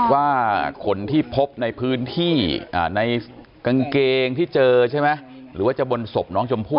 ว่าขนที่พบในพื้นที่ในกางเกงที่เจอใช่ไหมหรือว่าจะบนศพน้องชมพู่